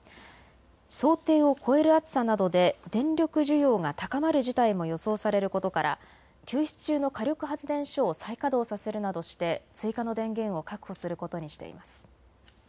想定を超える暑さなどで電力需要が高まる事態も予想されることから休止中の火力発電所を再稼働させるなどして追加の電源を確保することにしています。